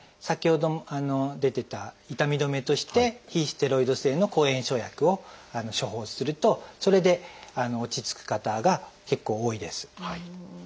先ほど出てた痛み止めとして非ステロイド性の抗炎症薬を処方するとそれで落ち着く方が結構多いです。